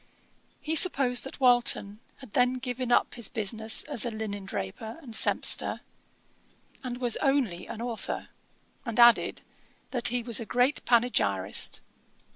He supposed that Walton had then given up his business as a linen draper and sempster, and was only an authour; and added, 'that he was a great panegyrist.'